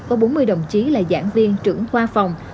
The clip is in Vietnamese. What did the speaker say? có bốn mươi đồng chí là giảng viên trưởng khoa phòng